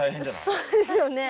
そうですよね。